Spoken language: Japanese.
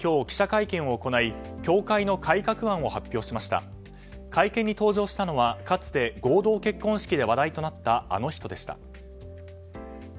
会見に登場したのはかつて合同結婚式で話題となったあの人でした。